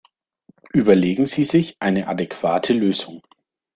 Überlegen Sie sich eine adäquate Lösung!